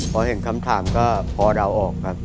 พอเห็นคำถามก็พอเดาออกครับ